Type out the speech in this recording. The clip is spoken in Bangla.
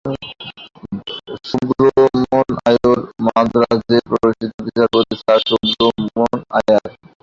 সুব্রহ্মণ্য আয়ার মান্দ্রাজের প্রসিদ্ধ বিচারপতি স্যর সুব্রহ্মণ্য আয়ার।